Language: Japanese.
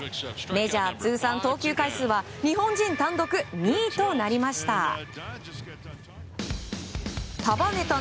メジャー通算投球回数は日本人単独２位となりました。